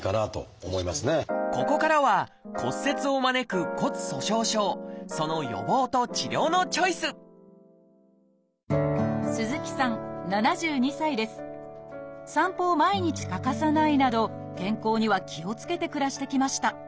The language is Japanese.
ここからは骨折を招く骨粗しょう症その予防と治療のチョイス散歩を毎日欠かさないなど健康には気をつけて暮らしてきました。